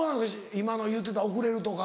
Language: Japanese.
今の言うてた遅れるとか。